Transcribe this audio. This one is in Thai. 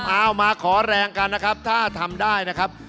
เอามาขอแรงกันนะครับถ้าทำได้นะครับ